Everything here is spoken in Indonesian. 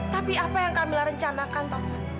tapi apa yang kami rencanakan taufan